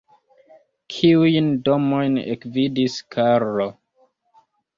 Kiujn domojn ekvidis Karlo?